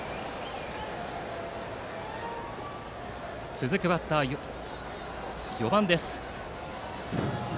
続くバッターは４番です。